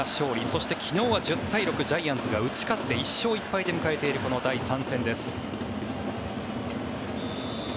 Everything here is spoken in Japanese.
そして昨日は１０対６ジャイアンツが打ち勝って１勝１敗で迎えているこの第３戦です。